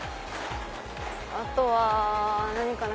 あとは何かな？